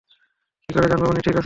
কি করে জানব উনি ঠিক আছেন কিনা?